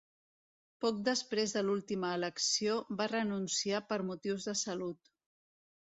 Poc després de l'última elecció va renunciar per motius de salut.